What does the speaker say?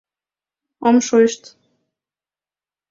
Ом шойышт...